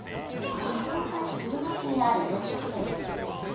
静岡市駿河区にある洋食店です。